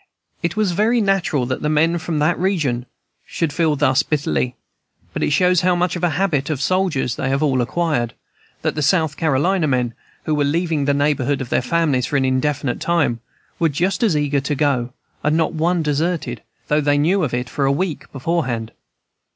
It was very natural that the men from that region should feel thus bitterly, but it shows how much of the habit of soldiers they have all acquired, that the South Carolina men, who were leaving the neighborhood of their families for an indefinite time, were just as eager to go, and not one deserted, though they knew it for a week beforehand.